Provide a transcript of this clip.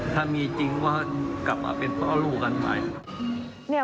ถ้ามีจริงว่ากลับมาเป็นเพราะลูกกันไป